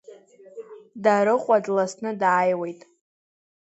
Дарыҟәа дласны дааиуеит.